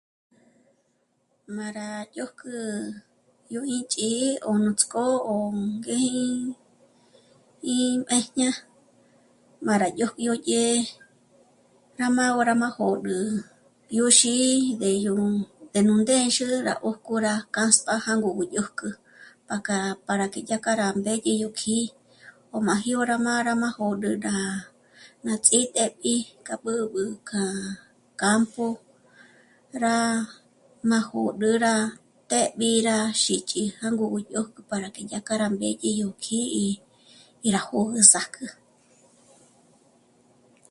Má yá... dyö́jkü yó ínch'í'i ó nuts'k'ó ó ngéji í 'éjñá'a má yá dyójyújdye rá má nô'o gá rá jö́d'ü. Yó xî'i ndé yó, ndé nú ndêndzhü rá 'öjk'o rá k'ast'a jângo gú dyö́jk'ü pa kjâ'a para que dyékja rá mbédye yó kjí'i ó má jyó rá má rá jôd'ü rá... rá ts'índép'i k'a b'ǚb'ü k'a campo, rá ná jôd'ü rá të́'b'i rá xích'i jângo gú dyópjk'ü para que yá kja rá mbédye yó kjí'i y rá jö́gü zá'kjü